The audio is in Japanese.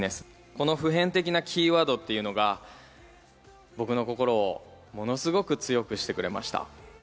この普遍的なキーワードっていうのが、僕の心をものすごく強くしてくれました。